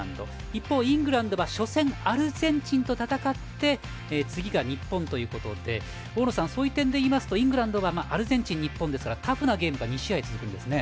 一方、イングランドは初戦アルゼンチンと戦って次が日本ということで大野さん、そういう点でいうとイングランドはアルゼンチン、日本ですからタフなゲームが２試合続くんですね。